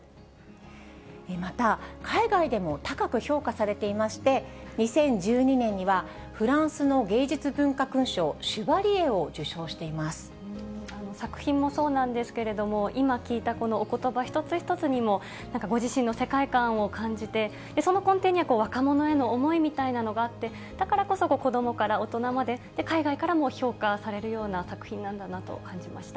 また、海外でも高く評価されていまして、２０１２年には、フランスの芸術文化勲章、シュバ作品もそうなんですけれども、今、聞いたこのおことば一つ一つにも、ご自身の世界観を感じて、その根底には若者への思いみたいなのがあって、だからこそ子どもから大人まで、海外からも評価されるような作品なんだなと感じました。